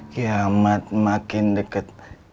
kiamat makin deket